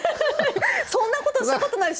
そんなことしたことない！